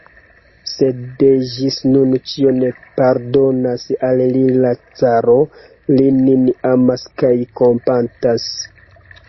Sed ĝis nun ĉion pardonas al li la caro: li lin amas kaj kompatas.